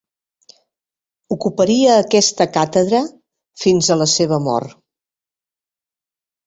Ocuparia aquesta càtedra fins a la seva mort.